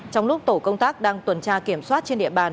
trong lúc tổ công tác đang tuần tra kiểm soát trên địa bàn